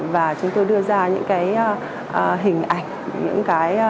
và chúng tôi đưa ra những hình ảnh